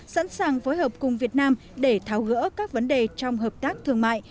sẵn sàng phối hợp cùng việt nam để tháo gỡ các vấn đề trong hợp tác thương mại